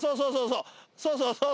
そうそうそうそう。